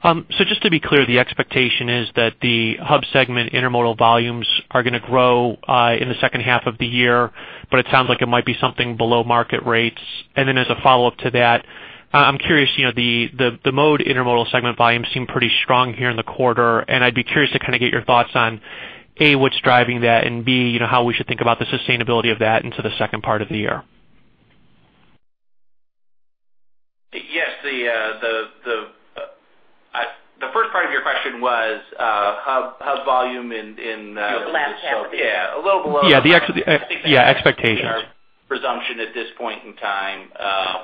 [SPEAKER 12] So just to be clear, the expectation is that the Hub segment intermodal volumes are gonna grow in the second half of the year, but it sounds like it might be something below market rates. And then as a follow-up to that, I'm curious, you know, the Mode intermodal segment volumes seem pretty strong here in the quarter, and I'd be curious to kind of get your thoughts on, A, what's driving that, and B, you know, how we should think about the sustainability of that into the second part of the year.
[SPEAKER 3] Yes, the first part of your question was Hub volume in
[SPEAKER 4] The last half of the year.
[SPEAKER 3] Yeah, a little below.
[SPEAKER 12] Yeah, the yeah, expectations.
[SPEAKER 3] Our presumption at this point in time,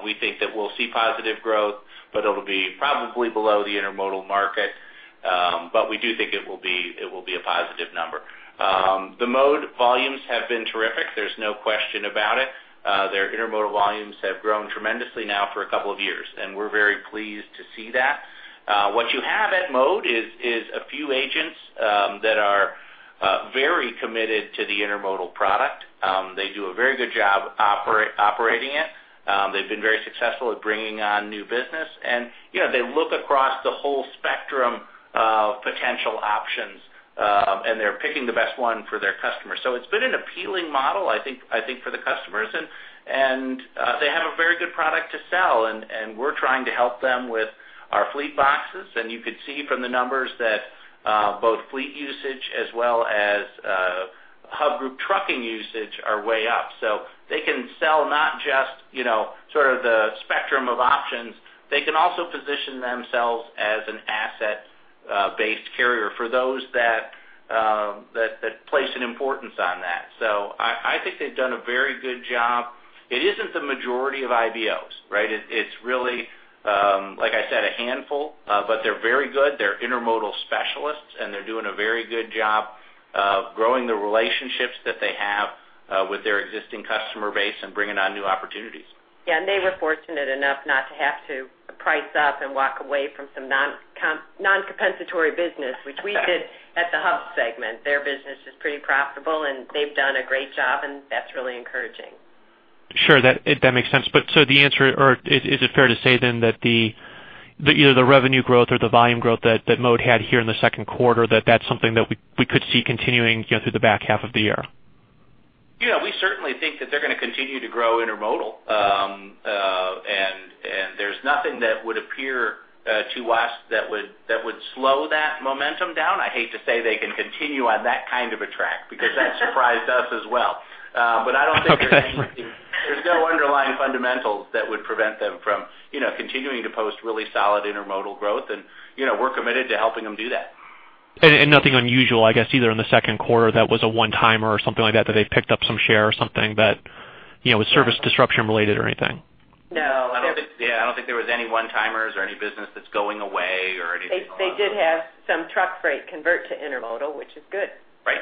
[SPEAKER 3] we think that we'll see positive growth, but it'll be probably below the intermodal market. But we do think it will be, it will be a positive number. The Mode volumes have been terrific. There's no question about it. Their Intermodal volumes have grown tremendously now for a couple of years, and we're very pleased to see that. What you have at Mode is, is a few agents that are very committed to the intermodal product. They do a very good job operating it. They've been very successful at bringing on new business, and you know, they look across the whole spectrum of potential options, and they're picking the best one for their customers. So it's been an appealing model, I think, for the customers, and they have a very good product to sell, and we're trying to help them with our fleet boxes. And you could see from the numbers that both fleet usage as well as Hub Group Trucking usage are way up. So they can sell not just, you know, sort of the spectrum of options. They can also position themselves as an asset-based carrier for those that place an importance on that. So I think they've done a very good job. It isn't the majority of IBOs, right? It's really, like I said, a handful, but they're very good. They're Intermodal specialists, and they're doing a very good job of growing the relationships that they have with their existing customer base and bringing on new opportunities.
[SPEAKER 4] Yeah, and they were fortunate enough not to have to price up and walk away from some non-compensatory business, which we did at the Hub segment. Their business is pretty profitable, and they've done a great job, and that's really encouraging.
[SPEAKER 12] Sure, that makes sense. But is it fair to say then that either the revenue growth or the volume growth that Mode had here in the second quarter is something that we could see continuing, you know, through the back half of the year?
[SPEAKER 3] Yeah, we certainly think that they're going to continue to grow Intermodal. And there's nothing that would appear to us that would slow that momentum down. I hate to say they can continue on that kind of a track, because that surprised us as well. But I don't think-
[SPEAKER 12] Okay.
[SPEAKER 3] There's no underlying fundamentals that would prevent them from, you know, continuing to post really solid intermodal growth, and, you know, we're committed to helping them do that.
[SPEAKER 12] And nothing unusual, I guess, either in the second quarter, that was a one-timer or something like that, that they've picked up some share or something that, you know, was service disruption related or anything?
[SPEAKER 4] No.
[SPEAKER 3] I don't think, yeah, I don't think there was any one-timers or any business that's going away or anything.
[SPEAKER 4] They did have some truck freight convert to Intermodal, which is good.
[SPEAKER 3] Right.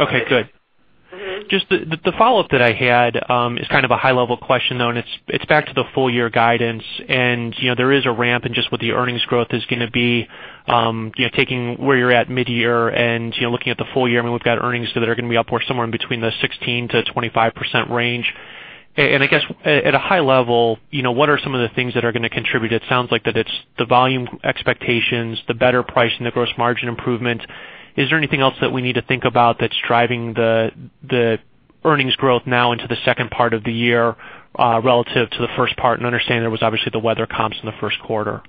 [SPEAKER 12] Okay, good.
[SPEAKER 4] Mm-hmm.
[SPEAKER 12] Just the follow-up that I had is kind of a high-level question, though, and it's back to the full-year guidance. And, you know, there is a ramp in just what the earnings growth is going to be. You know, taking where you're at mid-year and, you know, looking at the full year, I mean, we've got earnings that are going to be up or somewhere in between the 16%-25% range. And I guess at a high level, you know, what are some of the things that are going to contribute? It sounds like that it's the volume expectations, the better price, and the gross margin improvement. Is there anything else that we need to think about that's driving the earnings growth now into the second part of the year relative to the first part and understand there was obviously the weather comps in the first quarter.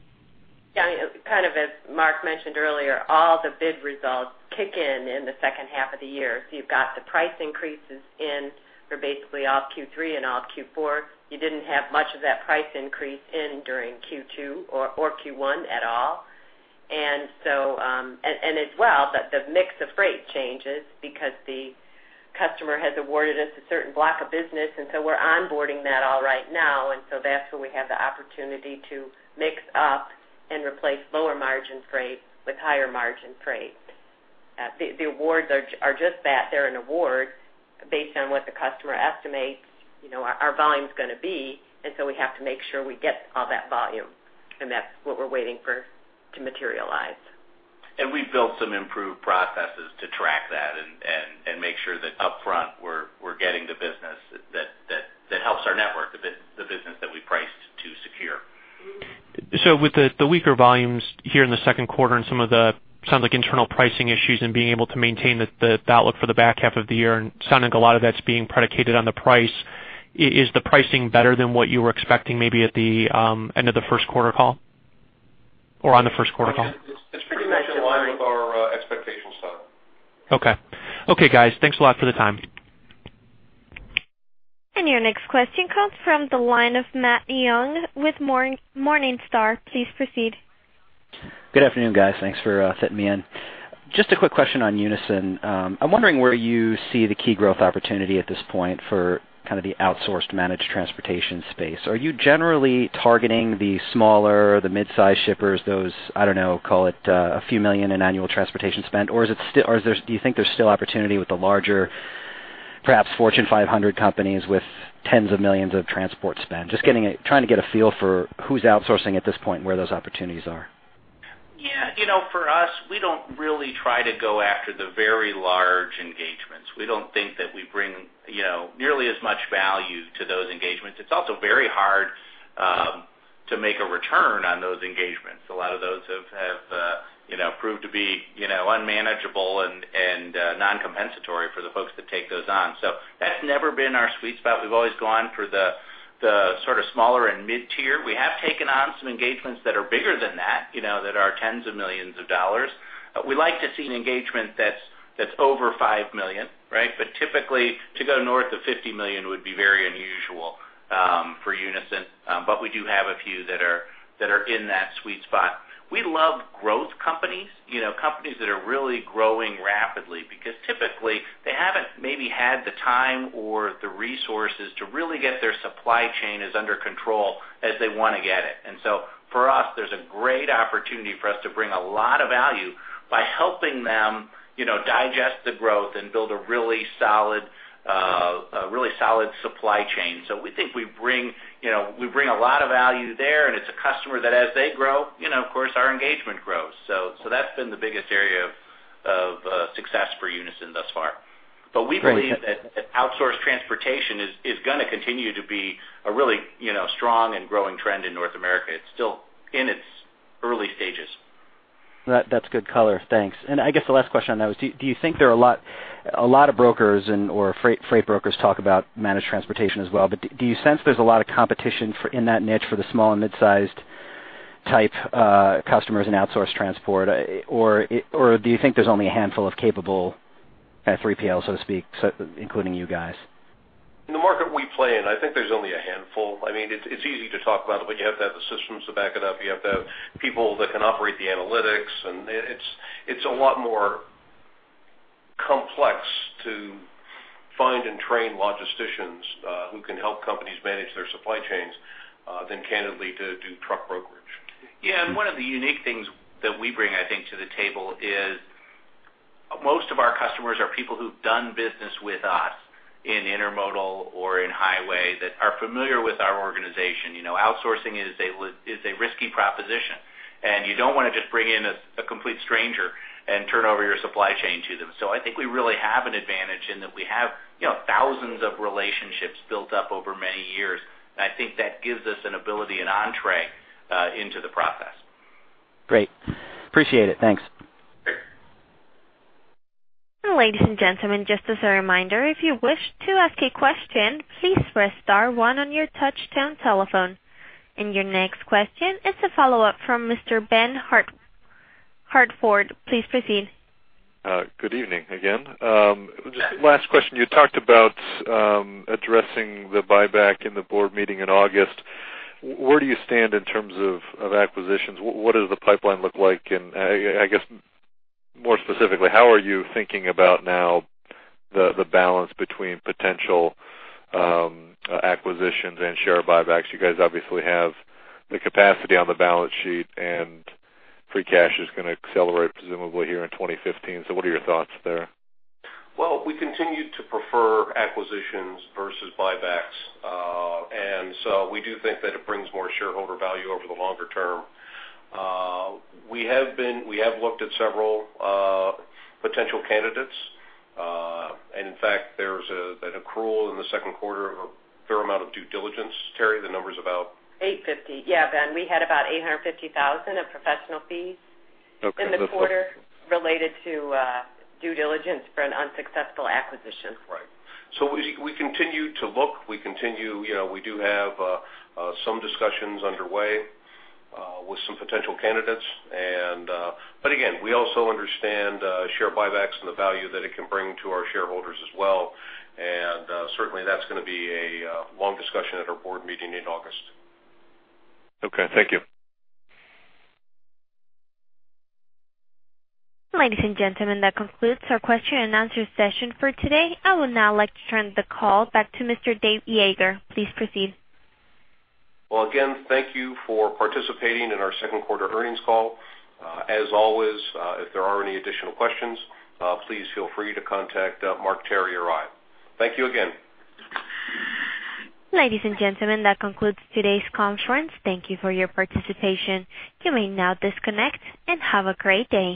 [SPEAKER 4] Yeah, kind of as Mark mentioned earlier, all the bid results kick in in the second half of the year. So you've got the price increases in for basically all of Q3 and all of Q4. You didn't have much of that price increase in during Q2 or Q1 at all. And so, as well, but the mix of freight changes because the customer has awarded us a certain block of business, and so we're onboarding that all right now. And so that's where we have the opportunity to mix up and replace lower margin freight with higher margin freight. The awards are just that. They're an award based on what the customer estimates, you know, our volume's going to be, and so we have to make sure we get all that volume, and that's what we're waiting for to materialize.
[SPEAKER 3] And we've built some improved processes to track that and make sure that upfront, we're getting the business that helps our network, the business that we priced to secure.
[SPEAKER 12] So with the weaker volumes here in the second quarter and some of the sounds like internal pricing issues and being able to maintain the outlook for the back half of the year, and sounding a lot of that's being predicated on the price, is the pricing better than what you were expecting, maybe at the end of the first quarter call or on the first quarter call?
[SPEAKER 2] It's pretty much in line with our expectations, Tom.
[SPEAKER 12] Okay. Okay, guys, thanks a lot for the time.
[SPEAKER 1] Your next question comes from the line of Matt Young with Morningstar. Please proceed.
[SPEAKER 13] Good afternoon, guys. Thanks for fitting me in. Just a quick question on Unyson. I'm wondering where you see the key growth opportunity at this point for kind of the outsourced managed transportation space. Are you generally targeting the smaller, the mid-sized shippers, those, I don't know, call it, A few million in annual transportation spend? Or is there, do you think there's still opportunity with the larger, perhaps Fortune 500 companies with tens of millions of transport spend? Just getting a, trying to get a feel for who's outsourcing at this point, where those opportunities are.
[SPEAKER 3] Yeah. You know, for us, we don't really try to go after the very large engagements. We don't think that we bring, you know, nearly as much value to those engagements. It's also very hard to make a return on those engagements. A lot of those have you know, proved to be, you know, unmanageable and non-compensatory for the folks that take those on. So that's never been our sweet spot. We've always gone for the sort of smaller and mid-tier. We have taken on some engagements that are bigger than that, you know, that are tens of millions of dollars. We like to see an engagement that's over $5 million, right? But typically, to go north of $50 million would be very unusual for Unyson. But we do have a few that are in that sweet spot. We love growth companies, you know, companies that are really growing rapidly, because typically, they haven't maybe had the time or the resources to really get their supply chains as under control as they want to get it. And so for us, there's a great opportunity for us to bring a lot of value by helping them, you know, digest the growth and build a really solid, a really solid supply chain. So we think we bring, you know, we bring a lot of value there, and it's a customer that, as they grow, you know, of course, our engagement grows. So, so that's been the biggest area of, of, success for Unyson thus far. But we believe that, that outsourced transportation is, is going to continue to be a really, you know, strong and growing trend in North America. It's still in its early stages.
[SPEAKER 13] That, that's good color. Thanks. And I guess the last question on that was, do you think there are a lot of brokers and/or freight brokers talk about managed transportation as well, but do you sense there's a lot of competition for, in that niche, for the small and mid-sized type, customers in outsourced transport, or do you think there's only a handful of capable kind of 3PL, so to speak, so including you guys?
[SPEAKER 2] In the market we play in, I think there's only a handful. I mean, it's easy to talk about, but you have to have the systems to back it up. You have to have people that can operate the analytics, and it's a lot more complex to find and train logisticians who can help companies manage their supply chains than candidly to do truck brokerage.
[SPEAKER 3] Yeah, and one of the unique things that we bring, I think, to the table is most of our customers are people who've done business with us in intermodal or in highway that are familiar with our organization. You know, outsourcing is a risky proposition, and you don't want to just bring in a complete stranger and turn over your supply chain to them. So I think we really have an advantage in that we have, you know, thousands of relationships built up over many years. And I think that gives us an ability, an entrée into the process.
[SPEAKER 10] Great. Appreciate it. Thanks.
[SPEAKER 1] Ladies and gentlemen, just as a reminder, if you wish to ask a question, please press star one on your touch-tone telephone. Your next question is a follow-up from Mr. Ben Hartford. Please proceed.
[SPEAKER 6] Good evening again. Just last question, you talked about addressing the buyback in the board meeting in August. Where do you stand in terms of acquisitions? What does the pipeline look like? And I guess more specifically, how are you thinking about now the balance between potential acquisitions and share buybacks? You guys obviously have the capacity on the balance sheet, and free cash is going to accelerate presumably here in 2015. So what are your thoughts there?
[SPEAKER 2] Well, we continue to prefer acquisitions versus buybacks. And so we do think that it brings more shareholder value over the longer term. We have looked at several potential candidates. And in fact, there's an accrual in the second quarter of a fair amount of due diligence. Terri, the number's about...
[SPEAKER 4] $850. Yeah, Ben, we had about $850,000 of professional fees-
[SPEAKER 6] Okay.
[SPEAKER 4] - in the quarter related to due diligence for an unsuccessful acquisition.
[SPEAKER 2] Right. So we, we continue to look, we continue, you know, we do have some discussions underway with some potential candidates, and... but again, we also understand share buybacks and the value that it can bring to our shareholders as well. And certainly, that's gonna be a long discussion at our board meeting in August.
[SPEAKER 6] Okay, thank you.
[SPEAKER 1] Ladies and gentlemen, that concludes our question and answer session for today. I would now like to turn the call back to Mr. Dave Yeager. Please proceed.
[SPEAKER 2] Well, again, thank you for participating in our second quarter earnings call. As always, if there are any additional questions, please feel free to contact Mark, Terri, or I. Thank you again.
[SPEAKER 1] Ladies and gentlemen, that concludes today's conference. Thank you for your participation. You may now disconnect and have a great day.